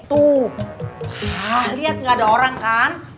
tuh lihat nggak ada orang kan